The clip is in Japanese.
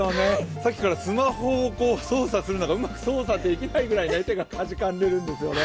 さっきからスマホをうまく操作できないくぐらい手がかじかんでるんですよね。